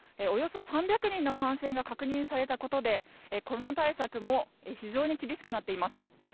およそ３００人の感染が確認されたことでコロナ対策も非常に厳しくなっています。